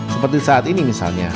seperti saat ini misalnya